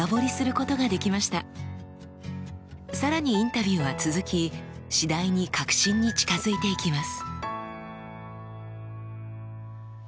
更にインタビューは続き次第に核心に近づいていきます。